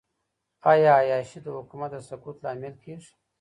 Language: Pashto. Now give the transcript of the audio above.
آیا عیاشي د حکومت د سقوط لامل کیږي؟